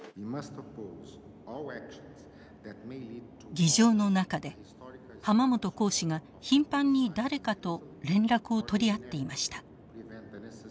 議場の中で濱本公使が頻繁に誰かと連絡を取り合っていました。